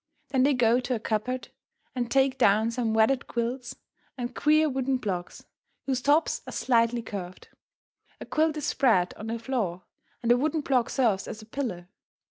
Then they go to a cupboard and take down some wadded quilts and queer wooden blocks, whose tops are slightly curved. A quilt is spread on the floor, and a wooden block serves as a pillow.